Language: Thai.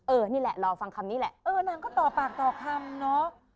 นี่แหละรอฟังคำนี้แหละเออนางก็ต่อปากต่อคำเนาะ